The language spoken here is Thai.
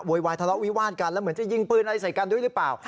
วายทะเลาะวิวาดกันแล้วเหมือนจะยิงปืนอะไรใส่กันด้วยหรือเปล่า